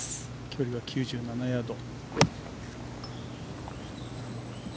距離は９７ヤード。